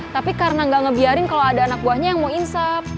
tapi karena nggak ngebiarin kalau ada anak buahnya yang mau insaf